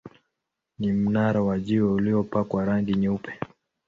Ni mnara wa jiwe uliopakwa rangi nyeupe.